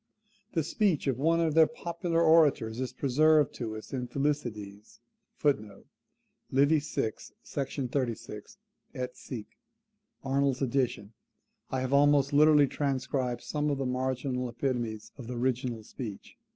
The speech of one of their popular orators is preserved to us in Thucydides, [Lib. vi. sec. 36 et seq., Arnold's edition. I have almost literally transcribed some of the marginal epitomes of the original speech.